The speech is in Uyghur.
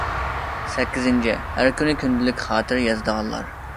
سەككىزىنچى، ھەر كۈنى كۈندىلىك خاتىرە يازىدىغانلار.